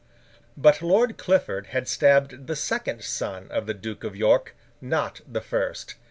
But, Lord Clifford had stabbed the second son of the Duke of York—not the first.